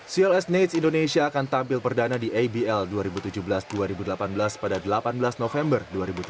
cls knights indonesia akan tampil perdana di abl dua ribu tujuh belas dua ribu delapan belas pada delapan belas november dua ribu tujuh belas